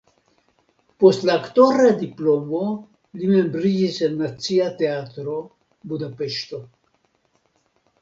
Post la aktora diplomo li membriĝis en Nacia Teatro (Budapeŝto).